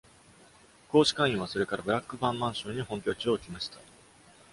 公使館員は、それからブラックバーンマンションに本拠地を置きました。